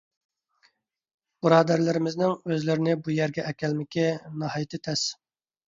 بۇرادەرلىرىمىزنىڭ ئۆزلىرىنى بۇ يەرگە ئەكەلمىكى ناھايىتى تەس.